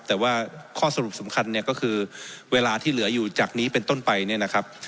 แต่ว่าข้อสรุปสำคัญเนี่ยก็คือเวลาที่เหลืออยู่จากนี้เป็นต้นไปเนี่ยนะครับ